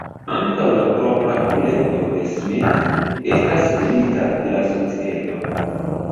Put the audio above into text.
Ankaŭ la propra kolekto de Smith estas tenita de la Societo.